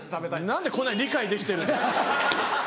何でこんなに理解できてるんですか？